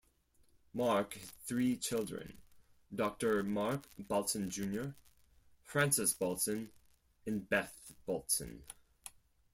Marc had three children: Doctor Marc Baltzan Junior, Frances Baltzan and Beth Baltzan.